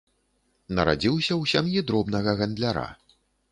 Нарадзіўся ў сям'і дробнага гандляра.